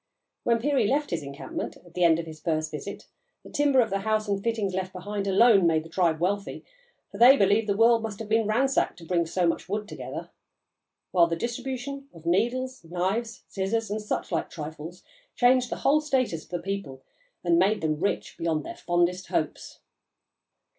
When Peary left his encampment, at the end of his first visit, the timber of the house and fittings left behind alone made the tribe wealthy, for they believed the world must have been ransacked to bring so much wood together; while the distribution of needles, knives, scissors, and such like trifles, changed the whole status of the people and made them rich beyond their fondest hopes.